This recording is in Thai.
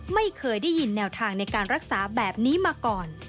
ไม่เคยได้ยินแนวทางในการรักษาแบบนี้มาก่อน